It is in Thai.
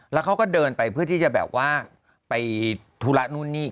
แล้วเขาก็เดินไปเพื่อที่จะแบบว่าไปธุระนู่นนี่